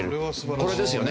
これですよね。